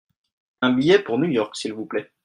Un billet pour New York s'il vous plait.